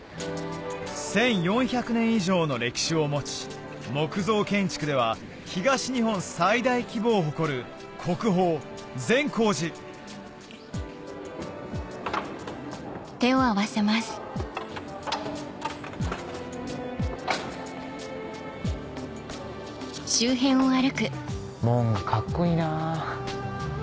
１４００年以上の歴史を持ち木造建築では東日本最大規模を誇る国宝善光寺門がカッコいいな。